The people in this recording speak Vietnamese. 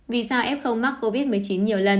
vì sao f mắc covid một mươi chín nhiều lần